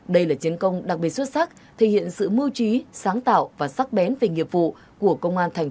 đây là chiến công đặc biệt xuất sắc thể hiện sự mưu trí sáng tạo và sắc bén về nghiệp vụ của công an tp hcm